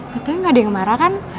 betulnya gak ada yang marah kan